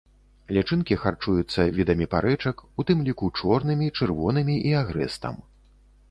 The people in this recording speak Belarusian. Лічынкі харчуюцца відамі парэчак, у тым ліку чорнымі, чырвонымі і агрэстам.